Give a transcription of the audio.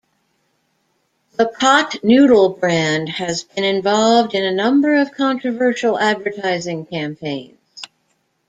The Pot Noodle brand has been involved in a number of controversial advertising campaigns.